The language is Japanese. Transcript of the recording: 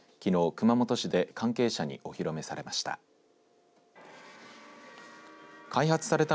熊本市で関係者にお披露目されました。